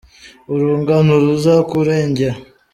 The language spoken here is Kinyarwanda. urungano ruzakurengera?